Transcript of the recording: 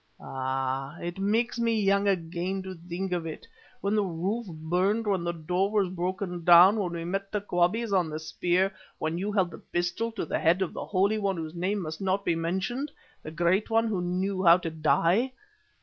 Ah! it makes me young again to think of it, when the roof burned; when the door was broken down; when we met the Quabies on the spears; when you held the pistol to the head of the Holy One whose name must not be mentioned, the Great One who knew how to die.